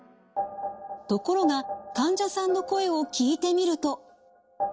ところが患者さんの声を聞いてみると。